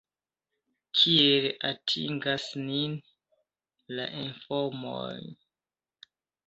Kiel atingas nin la informoj?